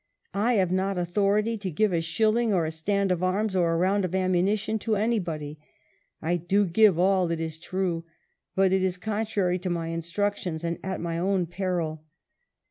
" I have not authority to give a shilling, or a stand of arms, or a round of ammunition to anybody. I do give all, it is true, but it is contrary to my instructions and at my peril."